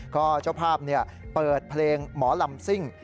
ก็เจ้าภาพเปิดเพลงหมอลำซิ่ง